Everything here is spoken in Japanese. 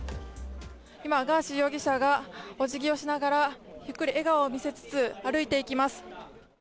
今、ガーシー容疑者がお辞儀をしながら、ゆっくり笑顔を見せつつ、歩いていきます。